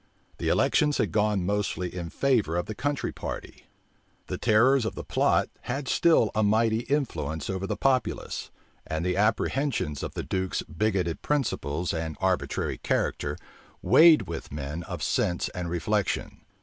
The elections had gone mostly in favor of the country party. The terrors of the plot had still a mighty influence over the populace; and the apprehensions of the duke's bigoted principles and arbitrary character weighed with men of sense and reflection.